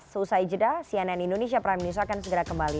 seusai jeda cnn indonesia prime news akan segera kembali